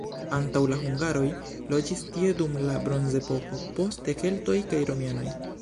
Antaŭ la hungaroj loĝis tie dum la bronzepoko, poste keltoj kaj romianoj.